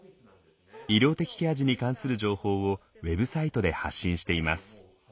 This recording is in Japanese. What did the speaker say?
医療的ケア児に関する情報をウェブサイトで発信しています。